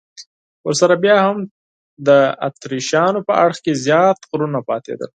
ورسره بیا هم د اتریشیانو په اړخ کې زیات غرونه پاتېدل.